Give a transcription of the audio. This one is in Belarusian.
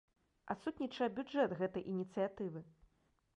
Адсутнічае бюджэт гэтай ініцыятывы.